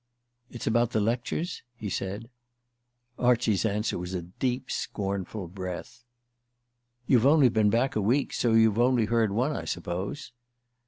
"It's about the lectures?" he said. Archie's answer was a deep scornful breath. "You've only been back a week, so you've only heard one, I suppose?"